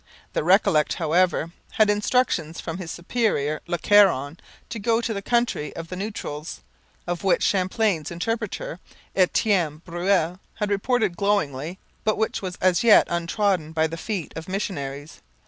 The Recollet, however, had instructions from his superior Le Caron to go to the country of the Neutrals, of which Champlain's interpreter, Etienne Brule, had reported glowingly, but which was as yet untrodden by the feet of missionaries.